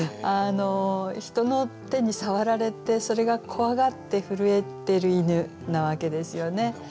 人の手に触られてそれが怖がって震えてる犬なわけですよね。